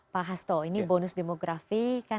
pak hasto ini bonus demografi kan